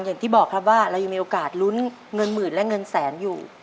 อย่างที่บอกครับว่าเรายังมีโอกาสลุ้นเงินหมื่นและเงินแสนอยู่